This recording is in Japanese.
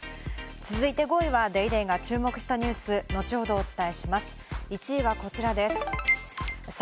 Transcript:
続いて５位は『ＤａｙＤａｙ．』が注目したニュース、後ほどお伝えします。